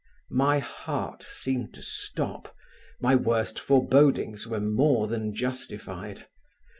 My heart seemed to stop. My worst forebodings were more than justified.